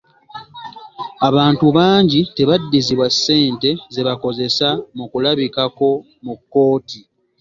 Abantu bangi tebaddizibwa ssente ze bakozesa mu kulabikako mu kkooti.